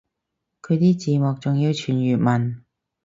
佢啲字幕仲要全粵文